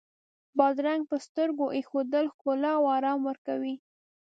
بادرنګ پر سترګو ایښودل ښکلا او آرام ورکوي.